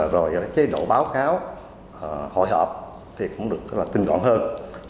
rồi cái chế độ báo cáo hội họp thì cũng được tinh gọn hơn